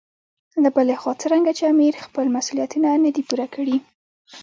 له بلې خوا څرنګه چې امیر خپل مسولیتونه نه دي پوره کړي.